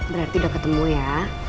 berarti udah ketemu ya